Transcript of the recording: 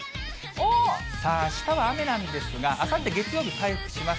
さあ、あしたは雨なんですが、あさって月曜日回復します。